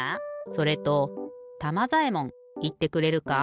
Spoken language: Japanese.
それとたまざえもんいってくれるか？